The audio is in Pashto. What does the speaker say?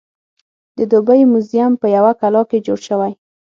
د دوبۍ موزیم په یوه کلا کې جوړ شوی.